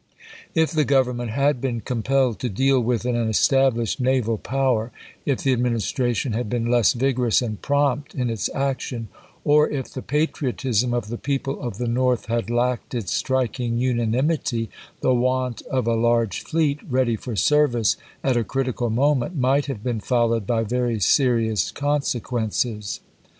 ^ If the Government had been compelled to deal with an established naval power ; if the Adminis tration had been less vigorous and prompt in its action ; or, if the patriotism of the people of the North had lacked its striking unanimity, the want of a large fleet ready for service at a critical moment might have been followed by very serious consequences.